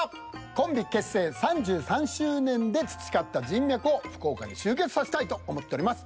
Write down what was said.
コンビ結成３３周年で培った人脈を福岡に集結させたいと思っております。